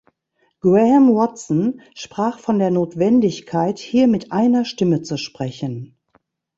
Graham Watson sprach von der Notwendigkeit, hier mit einer Stimme zu sprechen.